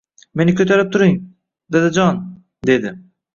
Meni koʻtarib turing dadajon dedi.